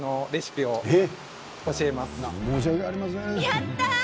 やったー！